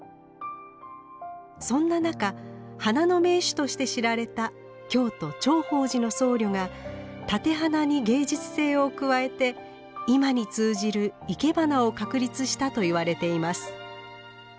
そんな中花の名手として知られた京都頂法寺の僧侶が立て花に芸術性を加えて今に通じるいけばなを確立したといわれています。